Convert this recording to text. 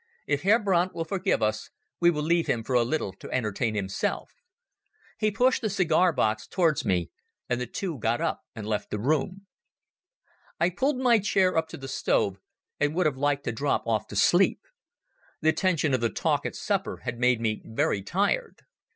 "If Herr Brandt will forgive us, we will leave him for a little to entertain himself." He pushed the cigar box towards me and the two got up and left the room. I pulled my chair up to the stove, and would have liked to drop off to sleep. The tension of the talk at supper had made me very tired.